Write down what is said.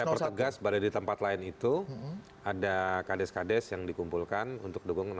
jadi saya pertegas pada di tempat lain itu ada kdes kdes yang dikumpulkan untuk dukung satu